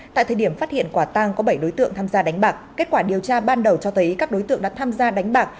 tại thời điểm phát hiện quả tang có bảy đối tượng tham gia đánh bạc kết quả điều tra ban đầu cho thấy các đối tượng đã tham gia đánh bạc